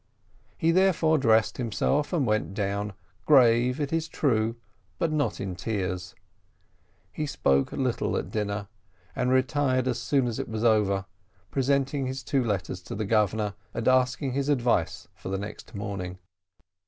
He therefore dressed himself and went down, grave, it is true, but not in tears. He spoke little at dinner, and retired as soon as it was over, presenting his two letters to the Governor, and asking his advice for the next morning.